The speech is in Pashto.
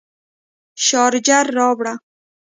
شارجر راوړه